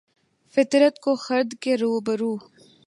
فطرت کو خرد کے روبرو